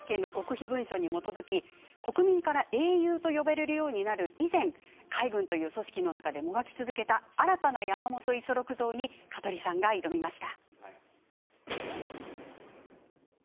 新発見の極秘文書に基づき国民から英雄と呼ばれるようになる以前海軍という組織の中でももがき続けた新たな山本五十六像に香取さんが挑みました。